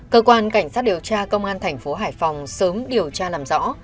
cơ quan cảnh sát điều tra công an thành phố hải phòng sớm điều tra làm rõ